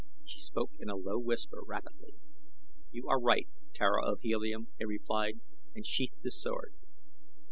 She spoke in a low whisper, rapidly. "You are right, Tara of Helium," he replied and sheathed his sword.